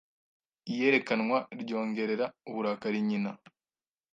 Iyerekanwa ryongerera uburakari nyina